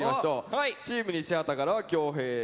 チーム西畑からは恭平。